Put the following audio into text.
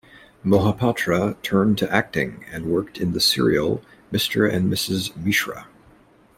Mohapatra turned to acting and worked in the serial "Mr. and Mrs. Mishra".